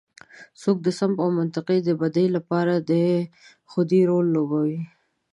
څوک د سمت او منطقې د بدۍ لپاره د خدۍ رول لوبوي.